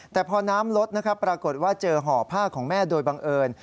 แต่พอน้ำลดนะครับปรากฏว่าเจอห่อผ้าของแม่โดยบังเอิญ